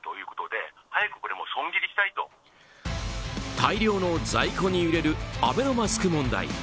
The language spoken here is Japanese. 大量の在庫に揺れるアベノマスク問題。